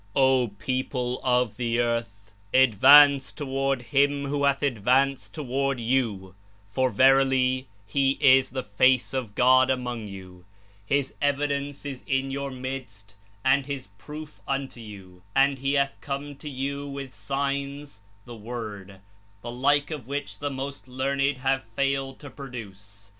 "O people of the earth ! Advance toward Him who hath advanced toward you, for verily He is the Face of God among you; His Evidence is in your midst and His Proof unto you, and He hath come to you with Signs (the Word), the like of which the most learned have failed to produce.